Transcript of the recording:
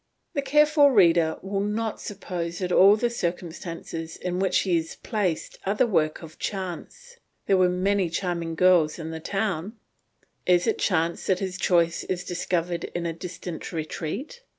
The careful reader will not suppose that all the circumstances in which he is placed are the work of chance. There were many charming girls in the town; is it chance that his choice is discovered in a distant retreat?